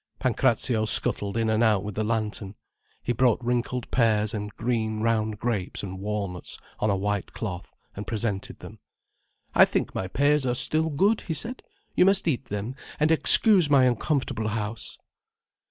Pancrazio scuttled in and out with the lantern. He brought wrinkled pears, and green, round grapes, and walnuts, on a white cloth, and presented them. "I think my pears are still good," he said. "You must eat them, and excuse my uncomfortable house."